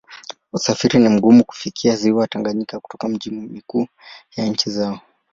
Usafiri ni mgumu kufikia Ziwa Tanganyika kutoka miji mikuu ya nchi zao.